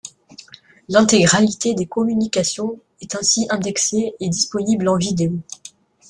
L'intégralité des communications est ainsi indexé et disponible en vidéo.